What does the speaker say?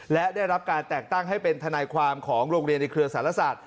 การแตกตั้งให้เป็นทนายความของโรงเรียนในเครือศาลศาสตร์